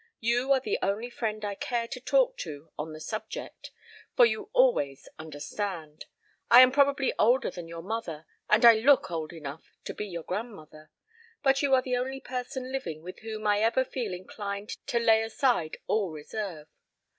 You are the only friend I care to talk to on the subject, for you always understand. I am probably older than your mother and I look old enough to be your grandmother, but you are the only person living with whom I ever feel inclined to lay aside all reserve.